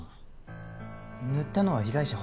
塗ったのは被害者本人？